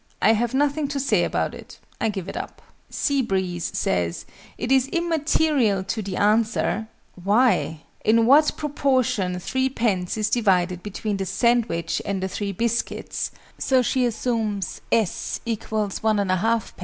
I have nothing to say about it: I give it up. SEA BREEZE says "it is immaterial to the answer" (why?) "in what proportion 3_d._ is divided between the sandwich and the 3 biscuits": so she assumes s = l 1/2_d.